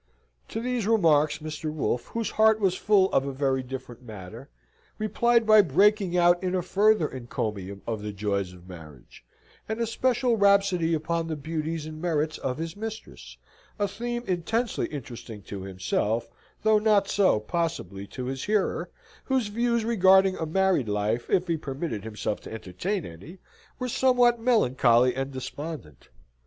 To these remarks, Mr. Wolfe, whose heart was full of a very different matter, replied by breaking out in a further encomium of the joys of marriage; and a special rhapsody upon the beauties and merits of his mistress a theme intensely interesting to himself, though not so, possibly, to his hearer, whose views regarding a married life, if he permitted himself to entertain any, were somewhat melancholy and despondent.